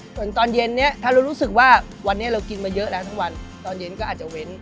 ส่วนตอนเย็นนี้ถ้าเรารู้สึกว่าวันนี้เรากินมาเยอะแล้วทั้งวันตอนเย็นก็อาจจะเว้น